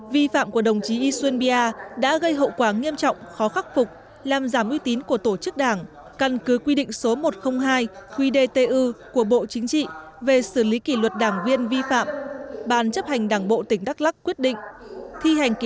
vi phạm của đồng chí y xuan bia đã gây hậu quả nghiêm trọng khó khắc phục làm giảm ưu tín của tổ chức đảng căn cứ quy định số một trăm linh hai quy đê tê ưu của bộ chính trị về xử lý kỷ luật đảng viên vi phạm bàn chấp hành đảng bộ tỉnh đắk lắc quyết định